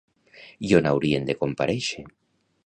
I on haurien de comparèixer?